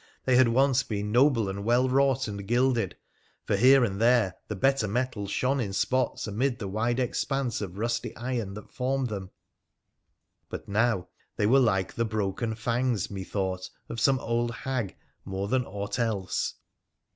They had once been noble and well wrought and gilded, for here and there the better metal shone in spots amid the wide expanse of rusty iron that formed them, but now they were like the broken fangs, methought, of some old hag more than aught else.